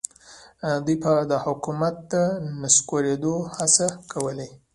دوی به د حکومت د نسکورېدو هڅې کولې.